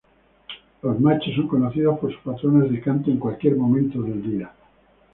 Los machos son conocidos por sus patrones de canto en cualquier momento del día.